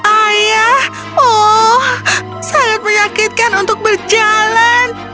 ayah oh sangat menyakitkan untuk berjalan